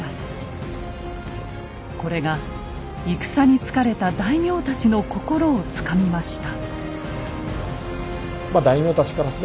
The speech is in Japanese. これが戦に疲れた大名たちの心をつかみました。